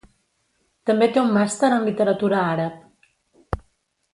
També té un màster en Literatura àrab.